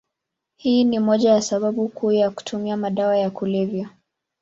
Hii ni moja ya sababu kuu ya kutumia madawa ya kulevya.